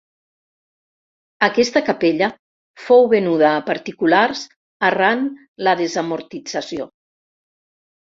Aquesta capella fou venuda a particulars arran la desamortització.